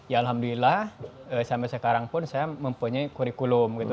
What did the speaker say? ya alhamdulillah sampai sekarang pun saya mempunyai kurikulum gitu